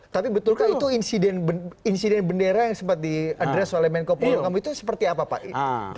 tapi betulkah itu insiden bendera yang sempat diadres oleh menko polukam itu seperti apa pak